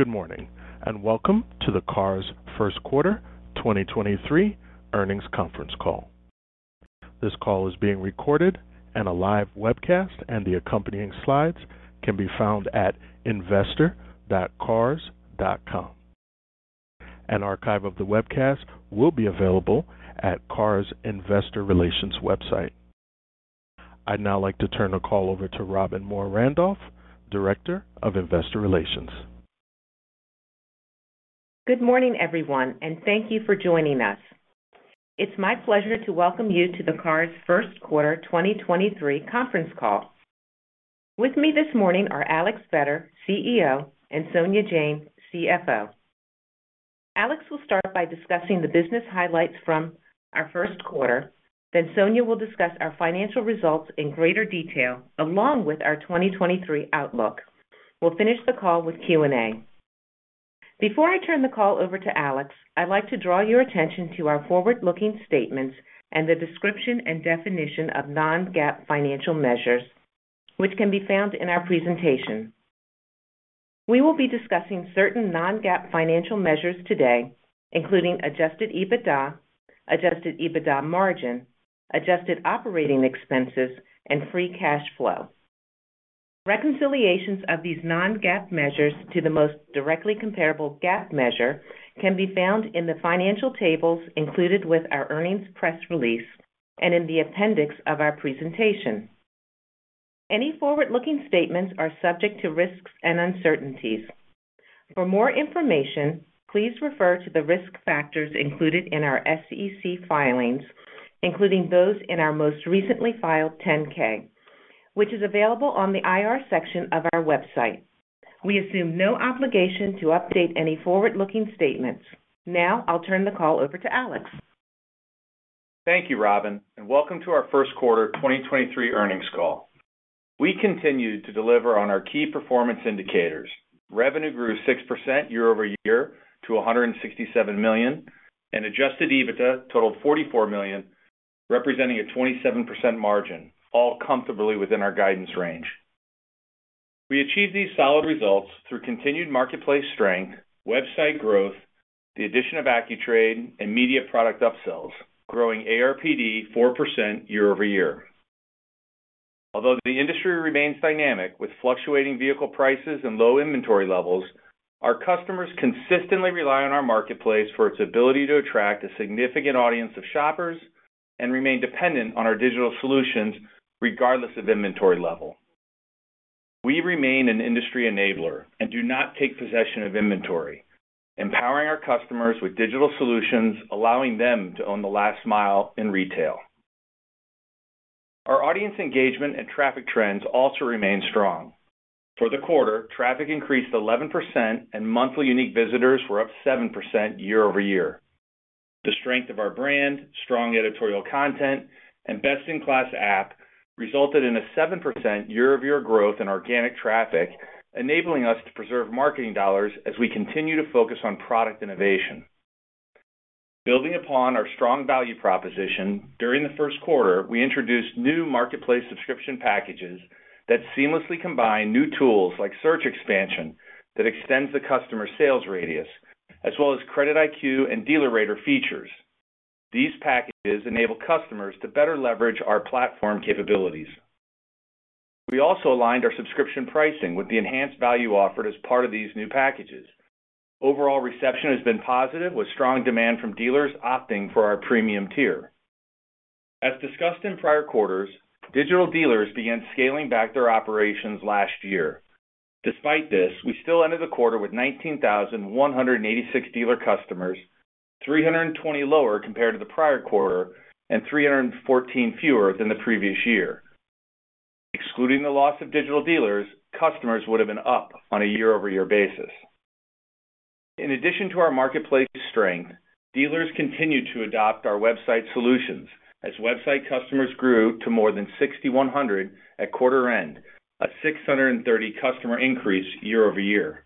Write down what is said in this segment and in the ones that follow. Good morning, and welcome to the Cars.com 1st quarter 2023 earnings conference call. This call is being recorded. A live webcast and the accompanying slides can be found at investor.cars.com. An archive of the webcast will be available at Cars.com Investor Relations website. I'd now like to turn the call over to Robbin Moore-Randolph, Director of Investor Relations. Good morning, everyone, and thank you for joining us. It's my pleasure to welcome you to the Cars.com first quarter 2023 conference call. With me this morning are Alex Vetter, CEO, and Sonia Jain, CFO. Alex will start by discussing the business highlights from our first quarter. Sonia will discuss our financial results in greater detail along with our 2023 outlook. We'll finish the call with Q&A. Before I turn the call over to Alex, I'd like to draw your attention to our forward-looking statements and the description and definition of non-GAAP financial measures, which can be found in our presentation. We will be discussing certain non-GAAP financial measures today, including Adjusted EBITDA, Adjusted EBITDA margin, adjusted operating expenses, and Free Cash Flow. Reconciliations of these non-GAAP measures to the most directly comparable GAAP measure can be found in the financial tables included with our earnings press release and in the appendix of our presentation. Any forward-looking statements are subject to risks and uncertainties. For more information, please refer to the risk factors included in our SEC filings, including those in our most recently filed 10-K, which is available on the IR section of our website. We assume no obligation to update any forward-looking statements. Now, I'll turn the call over to Alex. Thank you, Robbin, and welcome to our first quarter 2023 earnings call. We continued to deliver on our key performance indicators. Revenue grew 6% year-over-year to $167 million, and Adjusted EBITDA totaled $44 million, representing a 27% margin, all comfortably within our guidance range. We achieved these solid results through continued marketplace strength, website growth, the addition of Accu-Trade and media product upsells, growing ARPD 4% year-over-year. Although the industry remains dynamic with fluctuating vehicle prices and low inventory levels, our customers consistently rely on our marketplace for its ability to attract a significant audience of shoppers and remain dependent on our digital solutions regardless of inventory level. We remain an industry enabler and do not take possession of inventory, empowering our customers with digital solutions, allowing them to own the last mile in retail. Our audience engagement and traffic trends also remain strong. For the quarter, traffic increased 11% and monthly unique visitors were up 7% year-over-year. The strength of our brand, strong editorial content, and best-in-class app resulted in a 7% year-over-year growth in organic traffic, enabling us to preserve marketing dollars as we continue to focus on product innovation. Building upon our strong value proposition, during the first quarter, we introduced new marketplace subscription packages that seamlessly combine new tools like search expansion that extends the customer sales radius, as well as CreditIQ and DealerRater features. These packages enable customers to better leverage our platform capabilities. We also aligned our subscription pricing with the enhanced value offered as part of these new packages. Overall reception has been positive with strong demand from dealers opting for our premium tier. As discussed in prior quarters, digital dealers began scaling back their operations last year. Despite this, we still ended the quarter with 19,186 dealer customers, 320 lower compared to the prior quarter and 314 fewer than the previous year. Excluding the loss of digital dealers, customers would have been up on a year-over-year basis. In addition to our marketplace strength, dealers continued to adopt our website solutions as website customers grew to more than 6,100 at quarter end, a 630 customer increase year-over-year.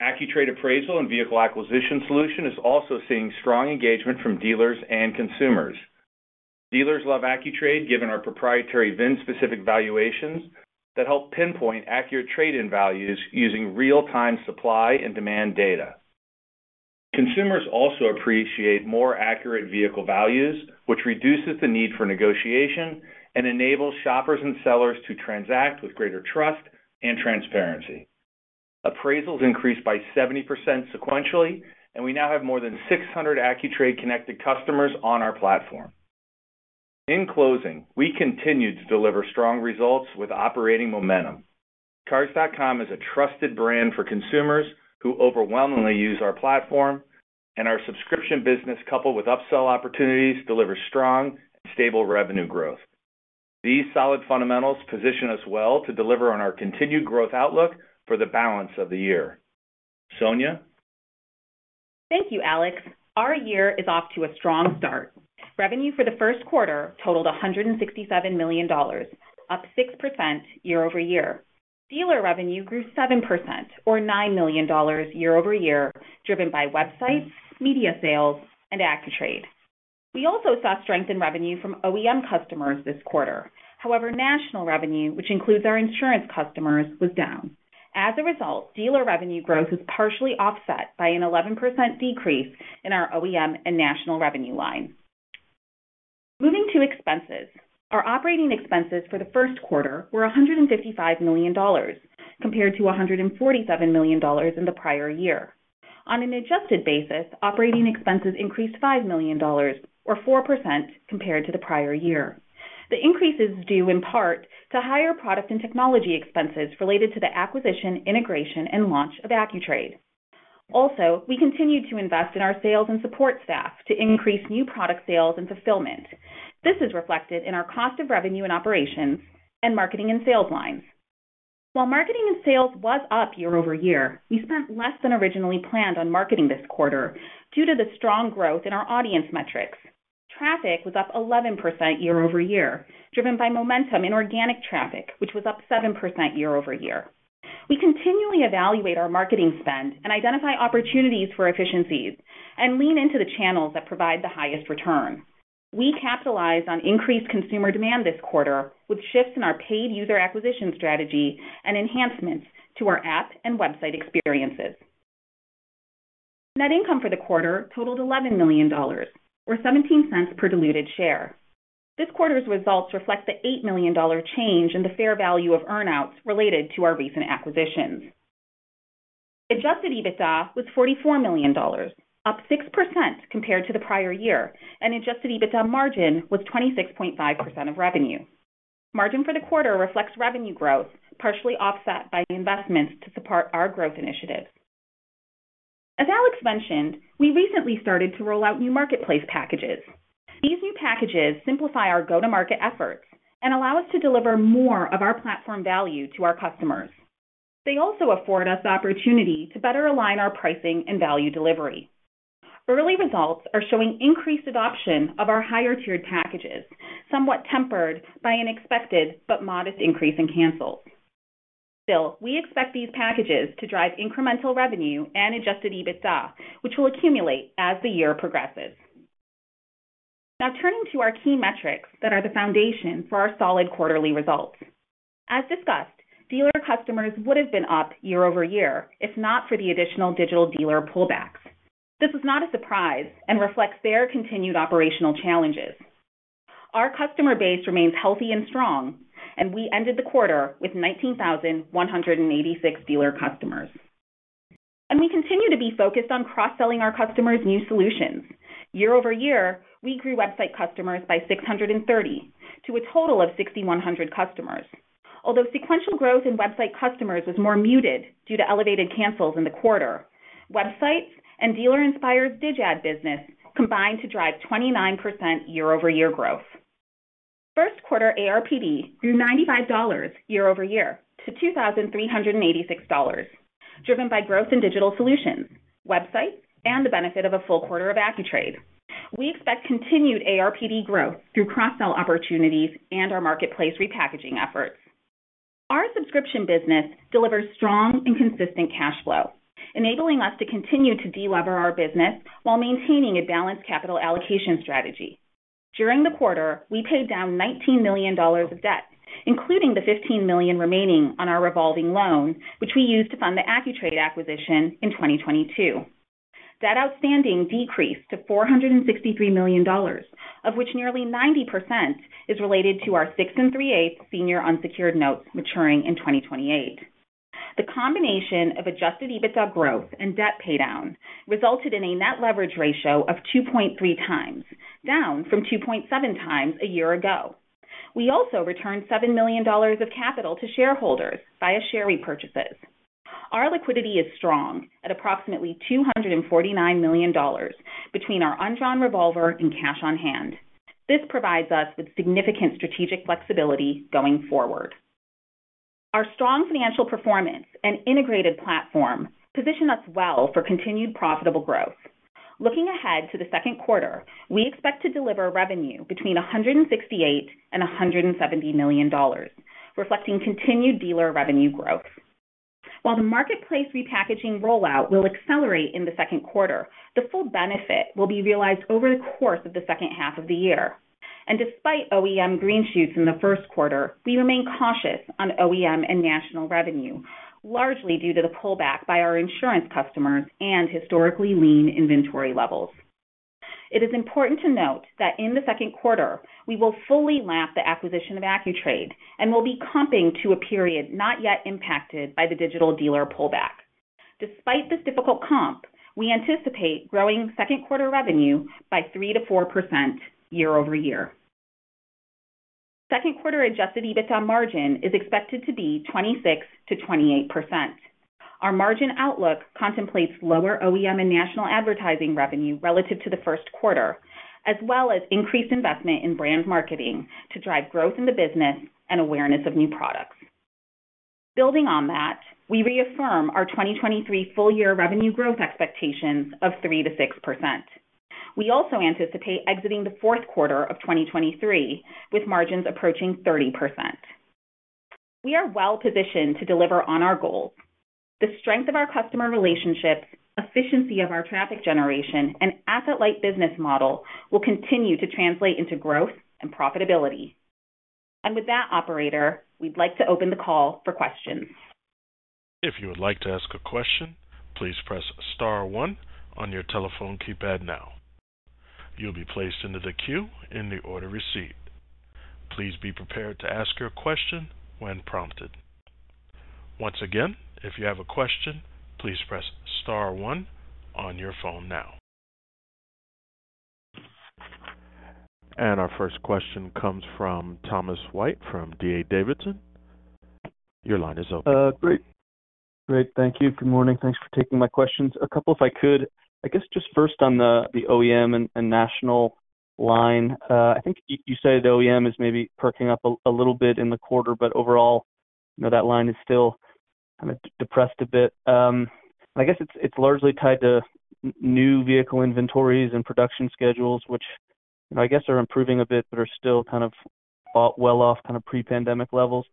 Accu-Trade appraisal and vehicle acquisition solution is also seeing strong engagement from dealers and consumers. Dealers love Accu-Trade given our proprietary VIN-specific valuations that help pinpoint accurate trade-in values using real-time supply and demand data. Consumers also appreciate more accurate vehicle values, which reduces the need for negotiation and enables shoppers and sellers to transact with greater trust and transparency. Appraisals increased by 70% sequentially. We now have more than 600 Accu-Trade connected customers on our platform. In closing, we continued to deliver strong results with operating momentum. Cars.com is a trusted brand for consumers who overwhelmingly use our platform. Our subscription business coupled with upsell opportunities delivers strong and stable revenue growth. These solid fundamentals position us well to deliver on our continued growth outlook for the balance of the year. Sonia? Thank you, Alex. Our year is off to a strong start. Revenue for the first quarter totaled $167 million, up 6% year-over-year. Dealer revenue grew 7% or $9 million year-over-year, driven by websites, media sales, and Accu-Trade. We also saw strength in revenue from OEM customers this quarter. National revenue, which includes our insurance customers, was down. Dealer revenue growth was partially offset by an 11% decrease in our OEM and national revenue line. Moving to expenses. Our operating expenses for the first quarter were $155 million compared to $147 million in the prior year. On an adjusted basis, operating expenses increased $5 million or 4% compared to the prior year. The increase is due in part to higher product and technology expenses related to the acquisition, integration and launch of Accu-Trade. We continued to invest in our sales and support staff to increase new product sales and fulfillment. This is reflected in our cost of revenue and operations and marketing and sales lines. While marketing and sales was up year-over-year, we spent less than originally planned on marketing this quarter due to the strong growth in our audience metrics. Traffic was up 11% year-over-year, driven by momentum in organic traffic, which was up 7% year-over-year. We continually evaluate our marketing spend and identify opportunities for efficiencies and lean into the channels that provide the highest return. We capitalize on increased consumer demand this quarter with shifts in our paid user acquisition strategy and enhancements to our app and website experiences. Net income for the quarter totaled $11 million or $0.17 per diluted share. This quarter's results reflect the $8 million change in the fair value of earn-outs related to our recent acquisitions. Adjusted EBITDA was $44 million, up 6% compared to the prior year, and Adjusted EBITDA margin was 26.5% of revenue. Margin for the quarter reflects revenue growth, partially offset by the investments to support our growth initiatives. As Alex mentioned, we recently started to roll out new marketplace packages. These new packages simplify our go-to-market efforts and allow us to deliver more of our platform value to our customers. They also afford us the opportunity to better align our pricing and value delivery. Early results are showing increased adoption of our higher-tiered packages, somewhat tempered by an expected but modest increase in cancels. Still, we expect these packages to drive incremental revenue and Adjusted EBITDA, which will accumulate as the year progresses. Now turning to our key metrics that are the foundation for our solid quarterly results. As discussed, dealer customers would have been up year-over-year if not for the additional digital advertising pullbacks. This was not a surprise and reflects their continued operational challenges. Our customer base remains healthy and strong. We ended the quarter with 19,186 dealer customers. We continue to be focused on cross-selling our customers new solutions. Year-over-year, we grew website customers by 630 to a total of 6,100 customers. Although sequential growth in website customers was more muted due to elevated cancels in the quarter, websites and Dealer Inspire DI ad business combined to drive 29% year-over-year growth. First quarter ARPD grew $95 year-over-year to $2,386, driven by growth in digital solutions, websites, and the benefit of a full quarter of Accu-Trade. We expect continued ARPD growth through cross-sell opportunities and our marketplace repackaging efforts. Our subscription business delivers strong and consistent cash flow, enabling us to continue to delever our business while maintaining a balanced capital allocation strategy. During the quarter, we paid down $19 million of debt, including the $15 million remaining on our revolving loan, which we used to fund the Accu-Trade acquisition in 2022. Debt outstanding decreased to $463 million, of which nearly 90% is related to our six and three eighth senior unsecured notes maturing in 2028. The combination of Adjusted EBITDA growth and debt paydown resulted in a Net Leverage Ratio of 2.3 times, down from 2.7 times a year ago. We also returned $7 million of capital to shareholders via share repurchases. Our liquidity is strong at approximately $249 million between our undrawn revolver and cash on hand. This provides us with significant strategic flexibility going forward. Our strong financial performance and integrated platform position us well for continued profitable growth. Looking ahead to the second quarter, we expect to deliver revenue between $168 million and $170 million, reflecting continued dealer revenue growth. While the marketplace repackaging rollout will accelerate in the second quarter, the full benefit will be realized over the course of the second half of the year. Despite OEM green shoots in the first quarter, we remain cautious on OEM and national revenue, largely due to the pullback by our insurance customers and historically lean inventory levels. It is important to note that in the second quarter, we will fully lap the acquisition of Accu-Trade and will be comping to a period not yet impacted by the digital dealer pullback. Despite this difficult comp, we anticipate growing second quarter revenue by 3%-4% year-over-year. Second quarter Adjusted EBITDA margin is expected to be 26%-28%. Our margin outlook contemplates lower OEM and national advertising revenue relative to the first quarter, as well as increased investment in brand marketing to drive growth in the business and awareness of new products. Building on that, we reaffirm our 2023 full year revenue growth expectations of 3%-6%. We also anticipate exiting the fourth quarter of 2023 with margins approaching 30%. We are well positioned to deliver on iur goals. The strength of our customer relationships, efficiency of our traffic generation, and asset-light business model will continue to translate into growth and profitability. With that operator, we'd like to open the call for questions. If you would like to ask a question, please press star one on your telephone keypad now. You'll be placed into the queue in the order received. Please be prepared to ask your question when prompted. Once again, if you have a question, please press star one on your phone now. Our first question comes from Tom White from D.A. Davidson. Your line is open. Great. Great. Thank you. Good morning. Thanks for taking my questions. A couple, if I could. I guess just first on the OEM and national line. I think you said the OEM is maybe perking up a little bit in the quarter, but overall, you know, that line is still kinda depressed a bit. I guess it's largely tied to new vehicle inventories and production schedules, which, you know, I guess are improving a bit but are still kind of well off kind of pre-pandemic levels.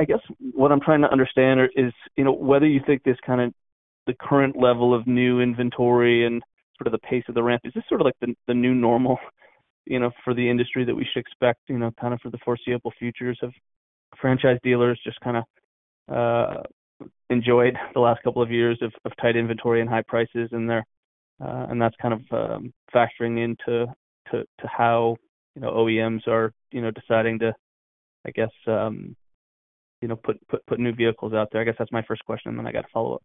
I guess what I'm trying to understand is, you know, whether you think this kinda... The current level of new inventory and sort of the pace of the ramp, is this sort of like the new normal, you know, for the industry that we should expect, you know, kind of for the foreseeable future as of franchise dealers just kinda enjoyed the last couple of years of tight inventory and high prices, and that's kind of factoring into how, you know, OEMs are, you know, deciding to, I guess, you know, put new vehicles out there? I guess that's my first question, and then I got a follow-up.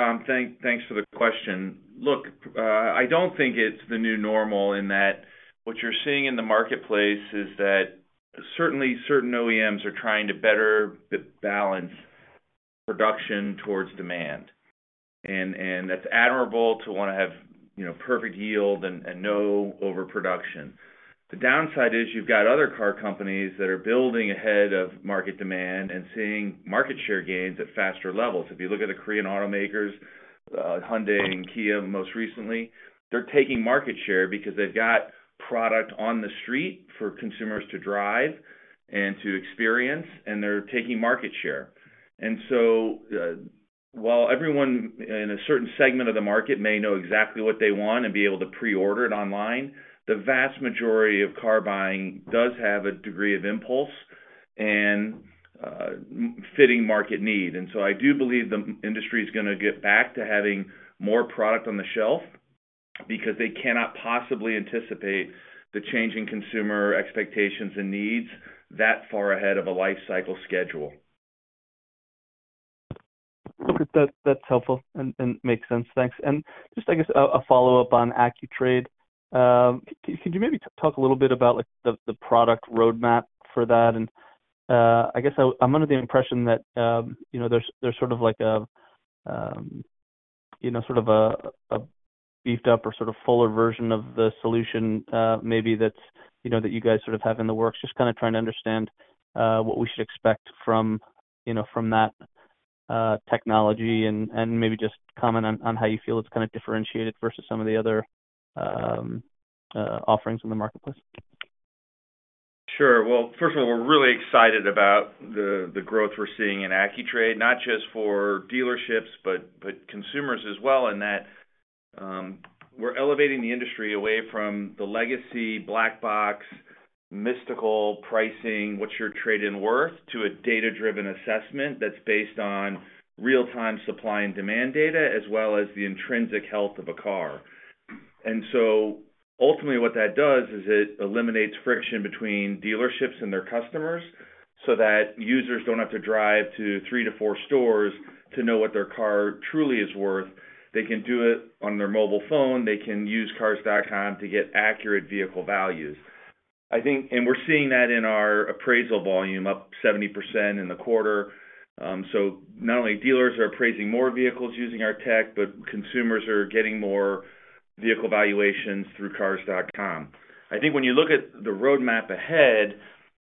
Tom, thanks for the question. Look, I don't think it's the new normal in that what you're seeing in the marketplace is that certainly certain OEMs are trying to better balance production towards demand. That's admirable to wanna have, you know, perfect yield and no overproduction. The downside is you've got other car companies that are building ahead of market demand and seeing market share gains at faster levels. If you look at the Korean automakers, Hyundai and Kia most recently, they're taking market share because they've got product on the street for consumers to drive and to experience, and they're taking market share. While everyone in a certain segment of the market may know exactly what they want and be able to pre-order it online, the vast majority of car buying does have a degree of impulse and fitting market need. I do believe the industry is gonna get back to having more product on the shelf because they cannot possibly anticipate the changing consumer expectations and needs that far ahead of a life cycle schedule. That's helpful and makes sense. Thanks. Just I guess a follow-up on Accu-Trade. Could you maybe talk a little bit about, like the product roadmap for that? I guess I'm under the impression that, you know, there's sort of like a, you know, sort of a beefed up or sort of fuller version of the solution, maybe that's, you know, that you guys sort of have in the works. Just kinda trying to understand what we should expect from, you know, from that technology and maybe just comment on how you feel it's kinda differentiated versus some of the other offerings in the marketplace. Sure. Well, first of all, we're really excited about the growth we're seeing in Accu-Trade, not just for dealerships, but consumers as well in that, we're elevating the industry away from the legacy black box, mystical pricing what's your trade-in worth to a data-driven assessment that's based on real-time supply and demand data, as well as the intrinsic health of a car. So ultimately what that does is it eliminates friction between dealerships and their customers so that users don't have to drive to three to four stores to know what their car truly is worth. They can do it on their mobile phone. They can use Cars.com to get accurate vehicle values. We're seeing that in our appraisal volume, up 70% in the quarter. Not only dealers are appraising more vehicles using our tech, but consumers are getting more vehicle valuations through Cars.com. I think when you look at the roadmap ahead,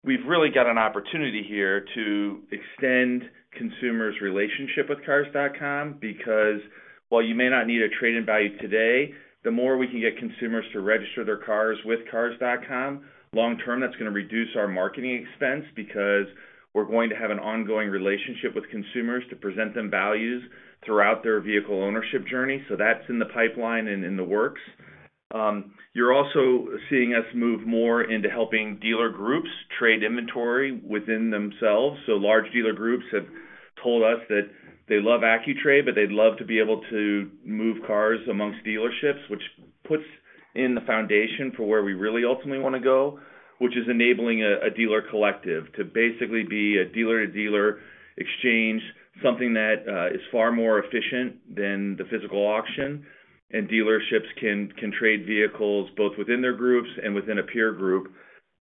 we've really got an opportunity here to extend consumers' relationship with Cars.com because, while you may not need a trade-in value today, the more we can get consumers to register their cars with Cars.com, long term, that's gonna reduce our marketing expense because we're going to have an ongoing relationship with consumers to present them values throughout their vehicle ownership journey. That's in the pipeline and in the works. You're also seeing us move more into helping dealer groups trade inventory within themselves. Large dealer groups have told us that they love Accu-Trade, but they'd love to be able to move cars amongst dealerships, which puts in the foundation for where we really ultimately wanna go, which is enabling a dealer collective to basically be a dealer-to-dealer exchange, something that is far more efficient than the physical auction. Dealerships can trade vehicles both within their groups and within a peer group,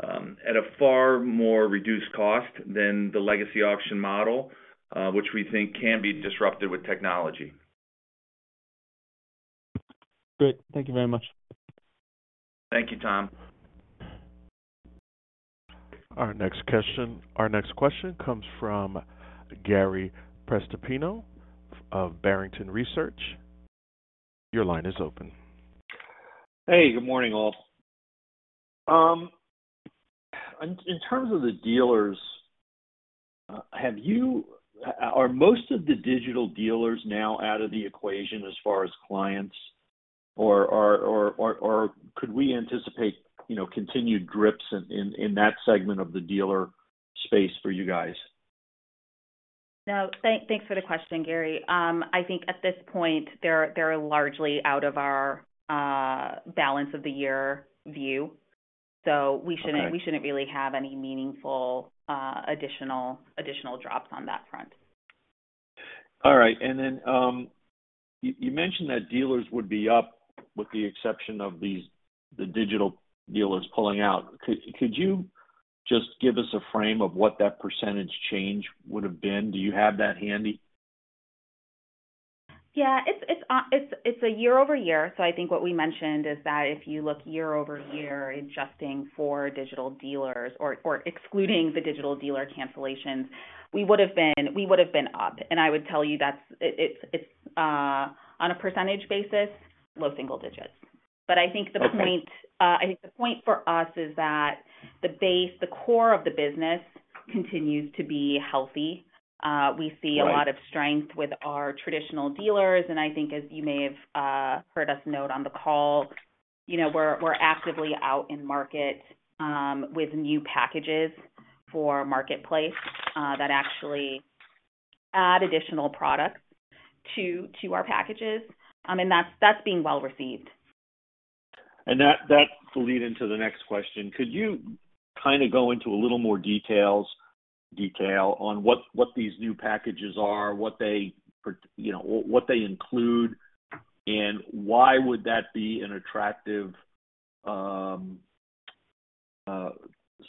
at a far more reduced cost than the legacy auction model, which we think can be disrupted with technology. Great. Thank you very much. Thank you, Tom. Our next question comes from Gary Prestopino of Barrington Research. Your line is open. Hey, good morning, all. In terms of the dealers, Are most of the digital dealers now out of the equation as far as clients? Or could we anticipate, you know, continued drips in that segment of the dealer space for you guys? No. Thank, thanks for the question, Gary. I think at this point they're largely out of our balance of the year view. Okay. We shouldn't really have any meaningful, additional drops on that front. All right. Then, you mentioned that dealers would be up with the exception of these, the digital dealers pulling out. Could you just give us a frame of what that percentage change would have been? Do you have that handy? Yeah. It's a year-over-year. I think what we mentioned is that if you look year-over-year adjusting for digital dealers or excluding the digital dealer cancellations, we would have been up. I would tell you that's... It's on a percentage basis, low single digits. Okay. I think the point for us is that the base, the core of the business continues to be healthy. Right Seen a lot of strength with our traditional dealers. I think as you may have heard us note on the call, you know, we're actively out in market with new packages for Marketplace that actually add additional products to our packages. That's being well received. That will lead into the next question. Could you kind of go into a little more detail on what these new packages are, what they you know, what they include, and why would that be an attractive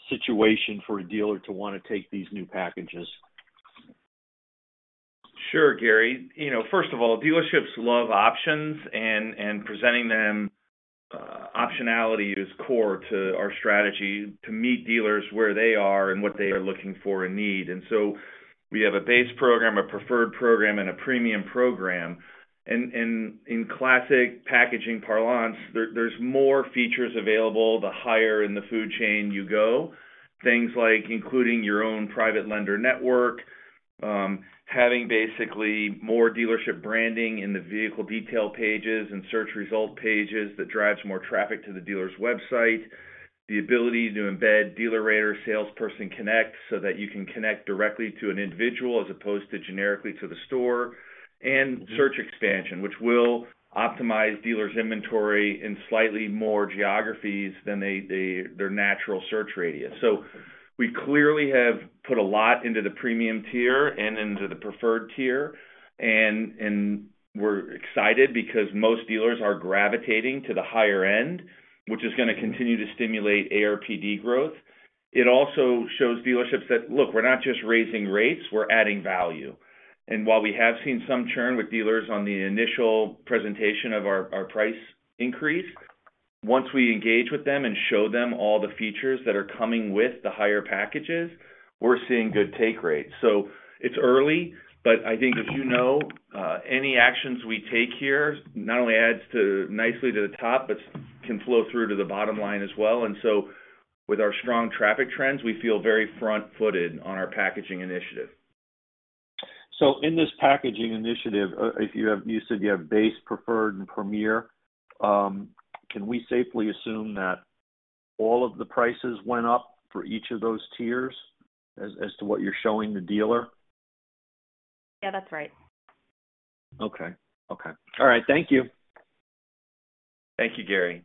situation for a dealer to want to take these new packages? Sure, Gary. You know, first of all, dealerships love options and presenting them. Optionality is core to our strategy to meet dealers where they are and what they are looking for and need. We have a base program, a preferred program, and a premium program. In classic packaging parlance, there's more features available the higher in the food chain you go. Things like including your own private lender network, having basically more dealership branding in the vehicle detail pages and search result pages that drives more traffic to the dealer's website. The ability to embed DealerRater Salesperson Connect so that you can connect directly to an individual as opposed to generically to the store. And search expansion, which will optimize dealers' inventory in slightly more geographies than their natural search radius. We clearly have put a lot into the premium tier and into the preferred tier. We're excited because most dealers are gravitating to the higher end, which is gonna continue to stimulate ARPD growth. It also shows dealerships that, look, we're not just raising rates, we're adding value. While we have seen some churn with dealers on the initial presentation of our price increase, once we engage with them and show them all the features that are coming with the higher packages, we're seeing good take rates. It's early, but I think as you know, any actions we take here not only adds to nicely to the top, but can flow through to the bottom line as well. With our strong traffic trends, we feel very front-footed on our packaging initiative. In this packaging initiative, you said you have base, preferred, and premier, can we safely assume that all of the prices went up for each of those tiers as to what you're showing the dealer? Yeah, that's right. Okay. Okay. All right. Thank you. Thank you, Gary.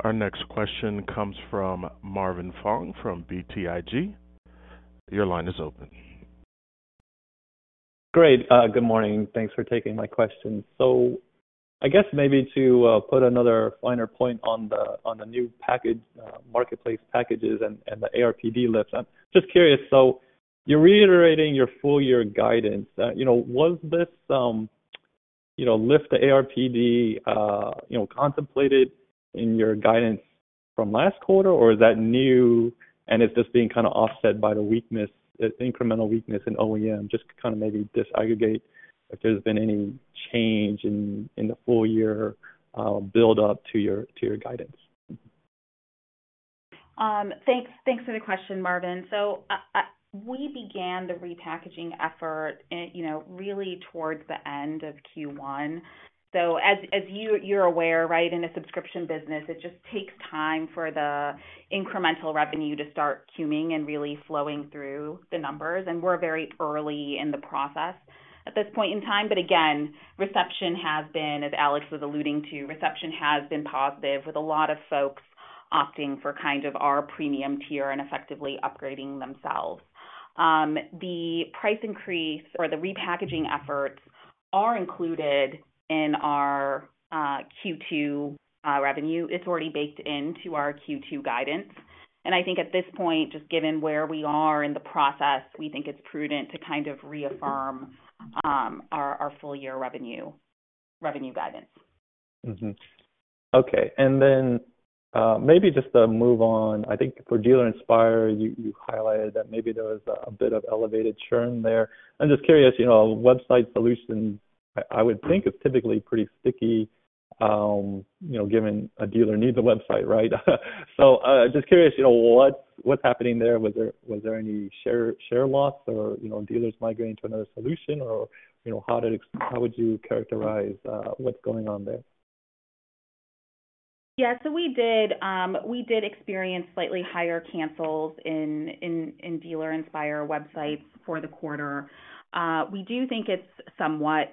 Our next question comes from Marvin Fong from BTIG. Your line is open. Great. Good morning. Thanks for taking my question. I guess maybe to put another finer point on the new package, Marketplace packages and the ARPD lifts. I'm just curious, so you're reiterating your full year guidance. You know, was this, you know, lift the ARPD, you know, contemplated in your guidance from last quarter, or is that new and it's just being kind of offset by the weakness, incremental weakness in OEM? Just to kind of maybe disaggregate if there's been any change in the full year build up to your guidance. Thanks, thanks for the question, Marvin. We began the repackaging effort in, you know, really towards the end of Q1. As you're aware, right, in a subscription business, it just takes time for the incremental revenue to start queuing and really flowing through the numbers, and we're very early in the process at this point in time. Again, reception has been, as Alex was alluding to, reception has been positive with a lot of folks opting for kind of our premium tier and effectively upgrading themselves. The price increase or the repackaging efforts are included in our Q2 revenue. It's already baked into our Q2 guidance. I think at this point, just given where we are in the process, we think it's prudent to kind of reaffirm our full year revenue guidance. Okay. Then, maybe just to move on, I think for Dealer Inspire, you highlighted that maybe there was a bit of elevated churn there. Just curious, you know, website solutions, I would think it's typically pretty sticky, you know, given a dealer needs a website, right? Just curious, you know, what's happening there? Was there any share loss or, you know, dealers migrating to another solution or, you know, how would you characterize what's going on there? We did experience slightly higher cancels in Dealer Inspire websites for the quarter. We do think it's somewhat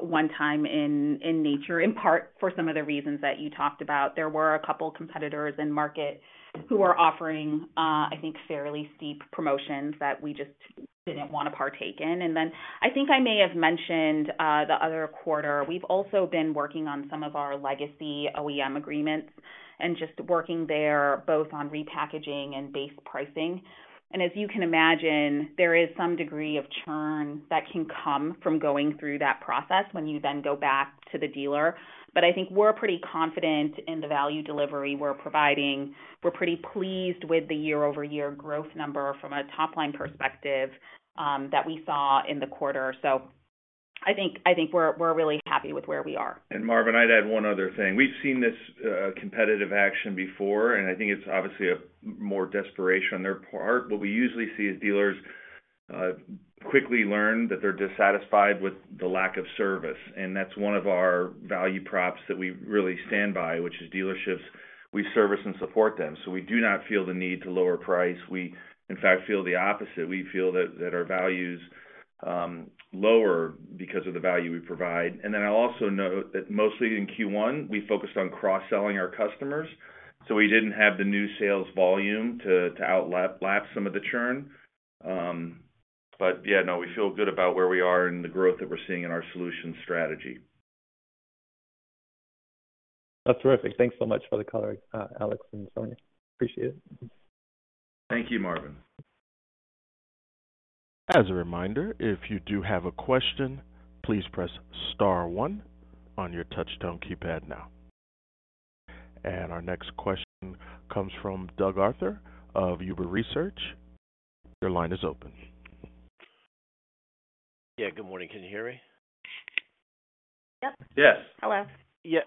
one-time in nature, in part for some of the reasons that you talked about. There were a couple competitors in market who are offering, I think, fairly steep promotions that we just didn't wanna partake in. I think I may have mentioned the other quarter, we've also been working on some of our legacy OEM agreements and just working there both on repackaging and base pricing. As you can imagine, there is some degree of churn that can come from going through that process when you then go back to the dealer. I think we're pretty confident in the value delivery we're providing. We're pretty pleased with the year-over-year growth number from a top-line perspective, that we saw in the quarter. I think we're really happy with where we are. Marvin, I'd add one other thing. We've seen this competitive action before, and I think it's obviously more desperation on their part. What we usually see is dealers quickly learn that they're dissatisfied with the lack of service, and that's one of our value props that we really stand by, which is dealerships, we service and support them, so we do not feel the need to lower price. We, in fact, feel the opposite. We feel that our values lower because of the value we provide. Then I'll also note that mostly in Q1, we focused on cross-selling our customers, so we didn't have the new sales volume to outlap-lap some of the churn. Yeah, no, we feel good about where we are and the growth that we're seeing in our solutions strategy. That's terrific. Thanks so much for the color, Alex and Sonia. Appreciate it. Thank you, Marvin. As a reminder, if you do have a question, please press star one on your touch tone keypad now. Our next question comes from Doug Arthur of Huber Research. Your line is open. Yeah. Good morning. Can you hear me? Yep. Yes. Hello. Yeah.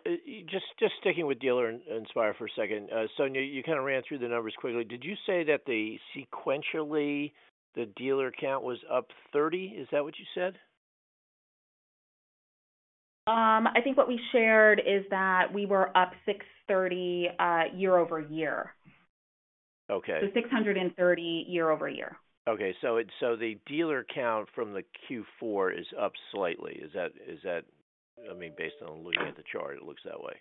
Just sticking with Dealer Inspire for a second. Sonia, you kinda ran through the numbers quickly. Did you say that the sequentially, the dealer count was up 30? Is that what you said? I think what we shared is that we were up 630% year-over-year. Okay. So six hundred and thirty year over year. The dealer count from the Q4 is up slightly. Is that? I mean, based on looking at the chart, it looks that way.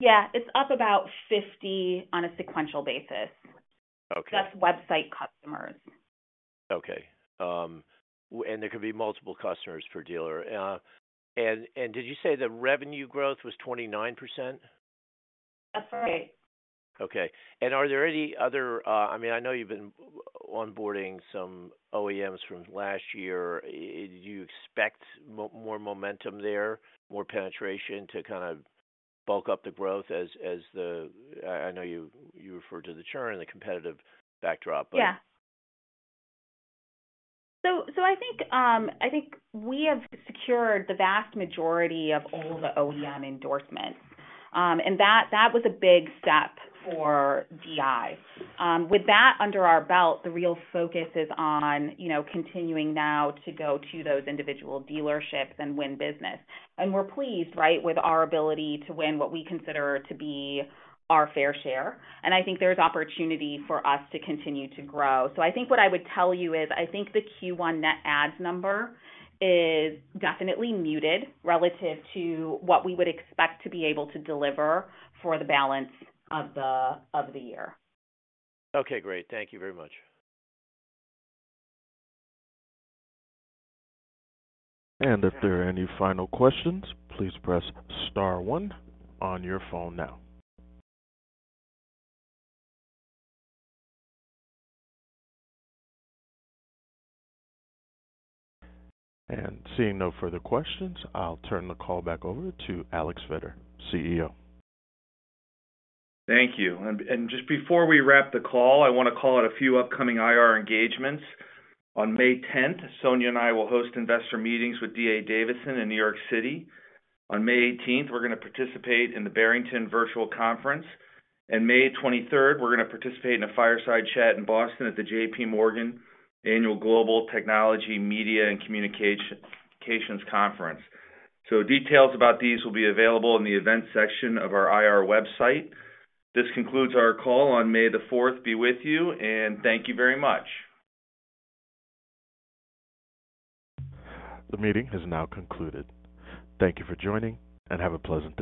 Yeah. It's up about 50 on a sequential basis. Okay. That's website customers. Okay. There could be multiple customers per dealer. Did you say the revenue growth was 29%? That's right. Okay. Are there any other... I mean, I know you've been onboarding some OEMs from last year. Do you expect more momentum there, more penetration to kind of bulk up the growth as the... I know you referred to the churn and the competitive backdrop. I think we have secured the vast majority of all the OEM endorsements. That was a big step for DI. With that under our belt, the real focus is on, you know, continuing now to go to those individual dealerships and win business. We're pleased, right, with our ability to win what we consider to be our fair share, and I think there's opportunity for us to continue to grow. I think what I would tell you is I think the Q1 net adds number is definitely muted relative to what we would expect to be able to deliver for the balance of the year. Okay, great. Thank you very much. If there are any final questions, please press star one on your phone now. Seeing no further questions, I'll turn the call back over to Alex Vetter, CEO. Thank you. Just before we wrap the call, I wanna call out a few upcoming IR engagements. On May 10th, Sonia and I will host investor meetings with D.A. Davidson in New York City. On May 18th, we're gonna participate in the Barrington Virtual Conference. May 23rd, we're gonna participate in a fireside chat in Boston at the J.P. Morgan Annual Global Technology, Media and Communications Conference. Details about these will be available in the events section of our IR website. This concludes our call. On May the 4th be with you, and thank you very much. The meeting is now concluded. Thank you for joining. Have a pleasant day.